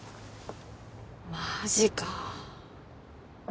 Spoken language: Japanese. マジか。